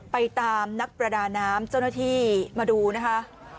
ไปตามนักประดาน้ำเจ้าหน้าที่มาดูนะคะ